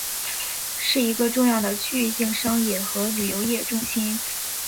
是一个重要的区域性商业和旅游业中心。